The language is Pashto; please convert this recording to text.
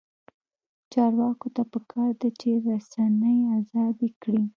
چارواکو ته پکار ده چې، رسنۍ ازادې کړي.